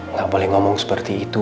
nggak boleh ngomong seperti itu